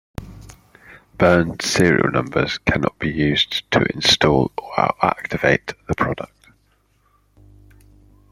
Burned serial numbers cannot be used to install or activate the product.